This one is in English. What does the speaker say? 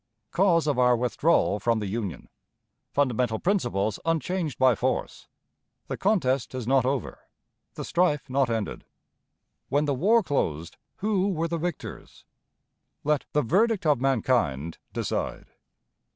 Cause of our Withdrawal from the Union. Fundamental Principles unchanged by Force. The Contest is not over; the Strife not ended. When the War closed, who were the Victors? Let the Verdict of Mankind decide.